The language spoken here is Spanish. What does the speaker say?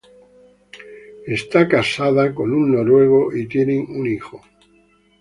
Esta casado con una mujer noruega y tienen un hijo.